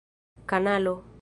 kanalo